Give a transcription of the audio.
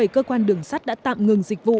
một mươi bảy cơ quan đường sắt đã tạm ngừng dịch vụ